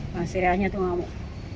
pasirnya itu ngamuk